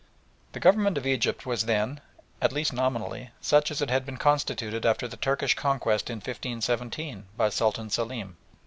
The Government of Egypt was then, at least nominally, such as it had been constituted after the Turkish conquest in 1517 by Sultan Selim.